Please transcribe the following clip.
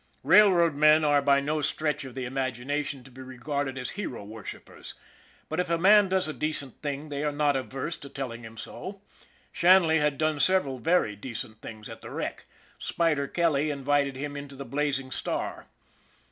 Railroad men are by no stretch of the imagination to be regarded as hero worshipers, but if a man does a decent thing they are not averse to telling him so. Shanley had done several very decent things at the wreck. Spider Kelly invited him into the Blazing Star.